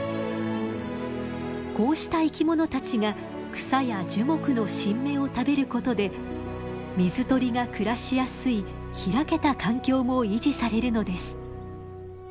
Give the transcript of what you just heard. こうした生き物たちが草や樹木の新芽を食べることで水鳥が暮らしやすい開けた環境も維持されるのです。